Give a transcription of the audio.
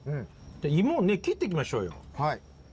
いもをね切っていきましょうよ。